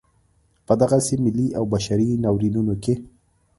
په دغسې ملي او بشري ناورینونو کې.